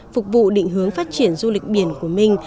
phục vụ định hướng phát triển du lịch biển của minh